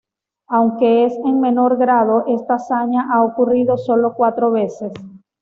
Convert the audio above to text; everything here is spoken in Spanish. Aunque es en menor grado, esta hazaña ha ocurrido solo cuatro veces.